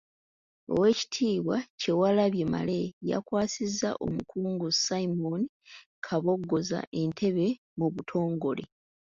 Oweekitiibwa Kyewalabye Male yakwasizza Omukungu Simon Kabogoza entebe mu butongole.